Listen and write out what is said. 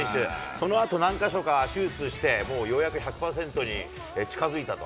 そのあと何回か手術して、ようやく１００％に近づいたと。